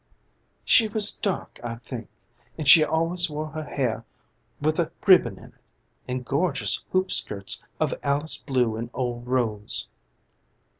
"She was dark, I think; and she always wore her hair with a ribbon in it, and gorgeous hoop skirts of Alice blue and old rose."